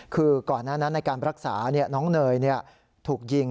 คือก่อนหน้านั้นในการรักษาน้องเนยถูกยิง